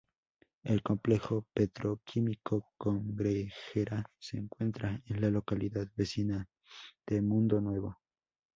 El Complejo petroquímico Cangrejera se encuentra en la localidad vecina de Mundo Nuevo.